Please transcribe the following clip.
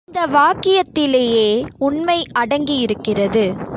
இந்த வாக்கியத்திலேயே உண்மை அடங்கியிருக்கிறது.